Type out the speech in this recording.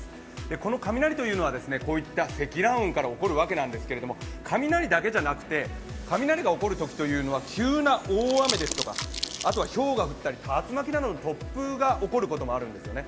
この雷というのは、積乱雲から起こるわけですけれども雷だけじゃなくて雷が起こるときというのは急な大雨ですとか、ひょうが降ったり竜巻などの突風が起こることもあるんですよね。